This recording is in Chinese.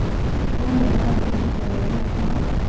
当年的冠军是梅艳芳。